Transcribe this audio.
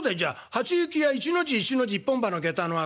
『初雪や一の字一の字一本歯の下駄のあと』」。